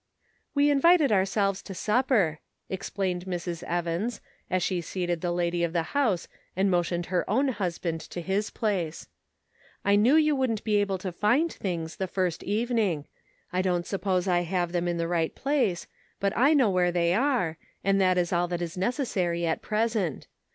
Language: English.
" We invited ourselves to supper," explained Mrs. Evans, as she seated the lady of the house and motioned her own husband to his place. " I knew you wouldn't be able to find things the first evening. I don't suppose I have them in the right place ; but I know where they are, and that is all that is necessary at present.